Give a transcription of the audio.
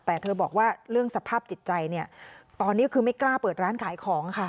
แต่เธอบอกว่าเรื่องสภาพจิตใจเนี่ยตอนนี้คือไม่กล้าเปิดร้านขายของค่ะ